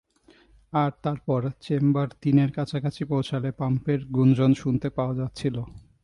আর তারপর, চেম্বার তিনের কাছাকাছি পৌঁছালে, পাম্পের গুঞ্জন শুনতে পাওয়া যাচ্ছিলো।